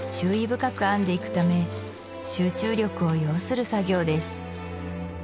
深く編んでいくため集中力を要する作業です